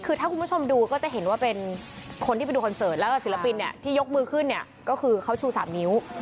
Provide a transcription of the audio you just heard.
คือถ้าคุณผู้ชมดูก็จะเห็นว่าเป็นคนที่ไปดูคอนเสิร์ตแล้วก็ศิลปินเนี่ยที่ยกมือขึ้นเนี่ยก็คือเขาชู๓นิ้ว